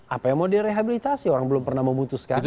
apa yang mau direhabilitasi orang belum pernah memutuskan